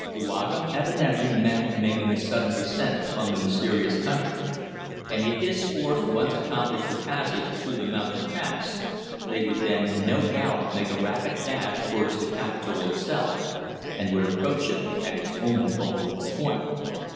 Kouaga evidently meant making a sudden descent upon the mysterious country, and if his force once accomplished the passage through the mountain pass they would then no doubt make a rapid dash towards the capital itself, and would approach it at its only vulnerable point.